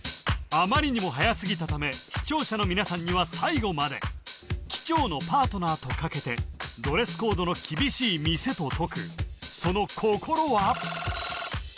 あまりにもはやすぎたため視聴者の皆さんには最後まで機長のパートナーと掛けてドレスコードの厳しい店と解くその心は？